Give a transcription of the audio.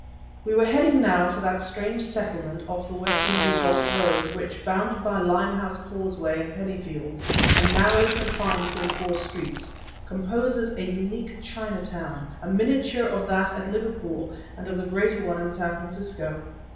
We were heading now for that strange settlement off the West India Dock Road, which, bounded by Limehouse Causeway and Pennyfields, and narrowly confined within four streets, composes an unique Chinatown, a miniature of that at Liverpool, and of the greater one in San Francisco.